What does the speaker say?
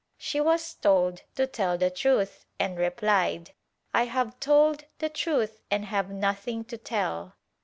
She was told to tell the truth and replied "I have told the truth and have nothing to tell."